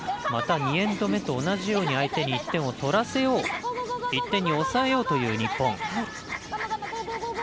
また２エンド目と同じように相手に１点を取らせよう１点に抑えようという日本。